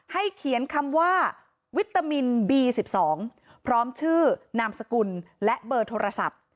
เขียนคำว่าวิตามินบี๑๒พร้อมชื่อนามสกุลและเบอร์โทรศัพท์